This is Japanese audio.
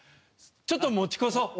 ちょっと持ち越そう。